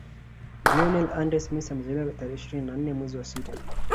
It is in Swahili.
Lionel Andres Messi amezaliwa tarehe ishirini na nne mwezi wa sita